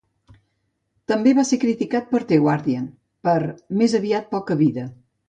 També va ser criticat per "The Guardian" per "més aviat poca vida".